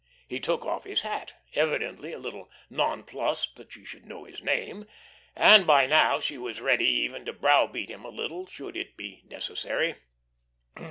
He took off his hat, evidently a little nonplussed that she should know his name, and by now she was ready even to browbeat him a little should it be necessary.